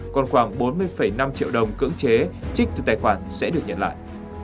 còn khoảng bốn mươi năm triệu đồng cưỡng chế trích từ tài khoản sẽ được nhận lại